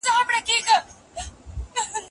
که لارښود معلومات ونه لري نو لارښوونه نسي کولای.